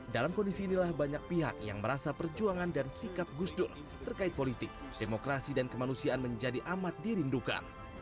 dalam kondisi inilah banyak pihak yang merasa perjuangan dan sikap gus dur terkait politik demokrasi dan kemanusiaan menjadi amat dirindukan